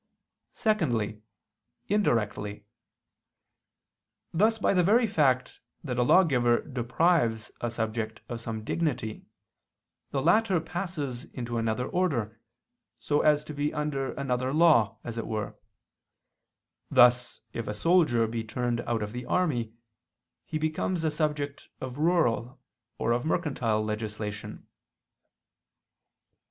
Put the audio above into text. Secondly, indirectly; thus by the very fact that a lawgiver deprives a subject of some dignity, the latter passes into another order, so as to be under another law, as it were: thus if a soldier be turned out of the army, he becomes a subject of rural or of mercantile legislation.